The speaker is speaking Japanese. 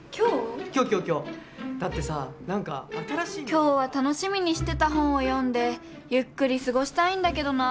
今日は楽しみにしてた本を読んでゆっくり過ごしたいんだけどな。